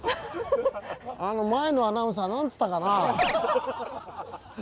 あの前のアナウンサー何つったかなあ？